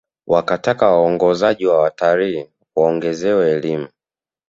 Wakataka waongozaji wa watalii waongezewe elimu